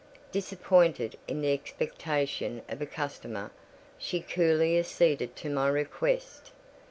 Disappointed in the expectation of a customer, she coolly acceded to my request.